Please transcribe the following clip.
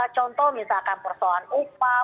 contoh misalkan persoalan upah